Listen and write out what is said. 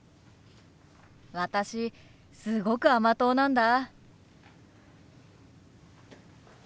私すごく甘党なんだ。